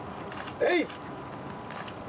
えい！